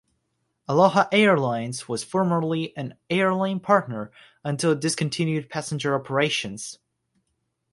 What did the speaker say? Aloha Airlines was formerly an airline partner until it discontinued passenger operations.